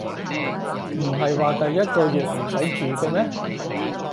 唔係話第一個月唔使住嘅咩